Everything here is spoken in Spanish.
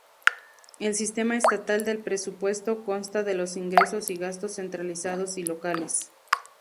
El sistema estatal del presupuesto consta de los ingresos y gastos centralizados y locales.